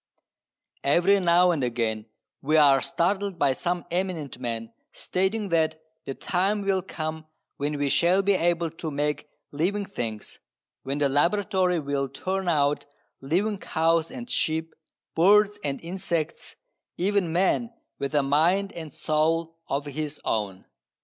Every now and again we are startled by some eminent man stating that the time will come when we shall be able to make living things, when the laboratory will turn out living cows and sheep, birds and insects, even man with a mind and soul of his own.